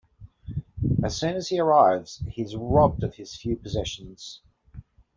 As soon as he arrives, he is robbed of his few possessions.